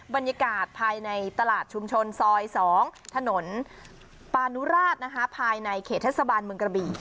บรรยากาศภายในตลาดชุมชนซอย๒ถนนปานุราชภายในเขตเทศบาลเมืองกระบี่